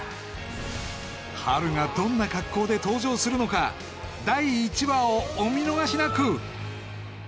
ハルがどんな格好で登場するのか第１話をお見逃しなく！